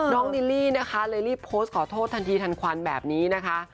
ลิลลี่นะคะเลยรีบโพสต์ขอโทษทันทีทันควันแบบนี้นะคะ